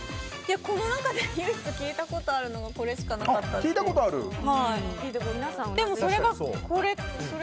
この中で唯一聞いたことがあるのがこれしかなかったです。